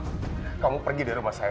ayo kamu pergi dari rumah saya